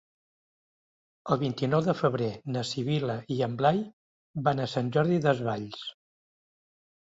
El vint-i-nou de febrer na Sibil·la i en Blai van a Sant Jordi Desvalls.